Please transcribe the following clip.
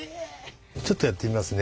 ちょっとやってみますね。